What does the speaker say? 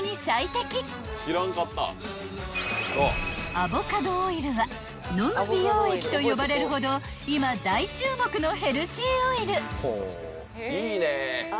［アボカドオイルは飲む美容液と呼ばれるほど今大注目のヘルシーオイル］